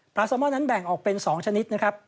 ซอมอนนั้นแบ่งออกเป็น๒ชนิดนะครับ